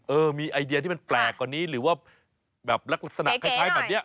เออมีไอเดียที่มันแปลกกว่านี้หรือว่าแบบลักษณะคล้ายแบบนี้